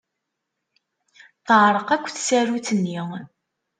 Teɛreq akk tsarut-nni.